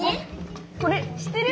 これ知ってる？